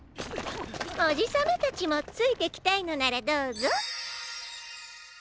おじさまたちもついてきたいのならどうぞ。